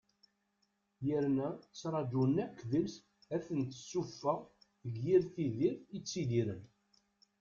Yerna ttrajun akk deg-s ad ten-tessuffeɣ deg yir tudert i ttidiren.